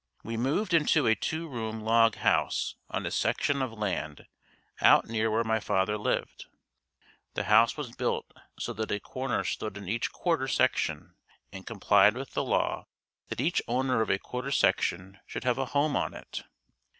We moved into a two room log house on a section of land out near where my father lived. The house was built so that a corner stood in each quarter section and complied with the law that each owner of a quarter section should have a home on it.